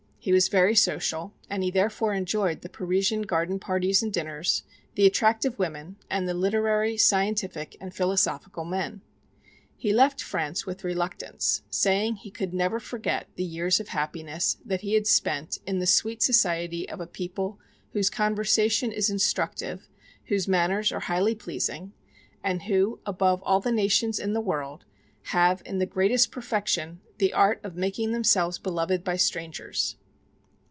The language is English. He was very social, and he therefore enjoyed the Parisian garden parties and dinners, the attractive women, and the literary, scientific and philosophical men. He left France with reluctance, saying he could never forget the years of happiness that he had spent "in the sweet society of a people whose conversation is instructive, whose manners are highly pleasing, and who, above all the nations in the world, have, in the greatest perfection, the art of making themselves beloved by strangers."